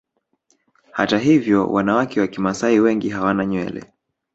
Hata hivyo wanawake wa Kimasai wengi hawana nywele